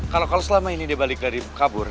kalau selama ini dia balik dari kabur